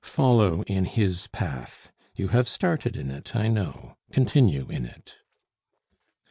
Follow in his path; you have started in it, I know; continue in it."